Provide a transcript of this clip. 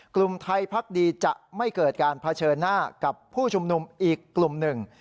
กลุ่มไทยพักดีจะไม่เกิดการเผชิญหน้ากับผู้ชุมนุมอีกกลุ่มหนึ่ง